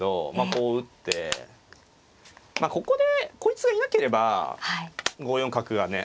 こう打ってまあここでこいつがいなければ５四角がね。